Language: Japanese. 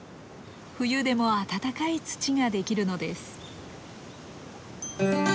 冬でも温かい土ができるのです。